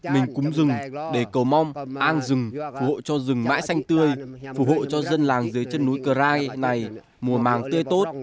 mình cúng rừng để cầu mong an rừng phù hộ cho rừng mãi xanh tươi phù hộ cho dân làng dưới chân núi karai này mùa màng tươi tốt